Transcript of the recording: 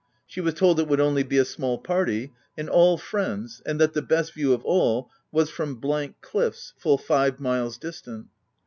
She was tok it would only be a small party, and all friends, and that the best view of all was from Cliffs, full five miles distant.